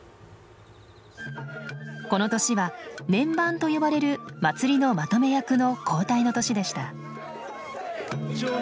この年は年番と呼ばれる祭りのまとめ役の交代の年でした。